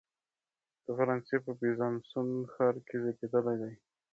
د فرانسې په بیزانسوون ښار کې زیږېدلی دی.